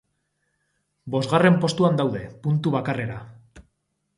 Bosgarren postuan daude, puntu bakarrera.